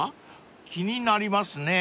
［気になりますね］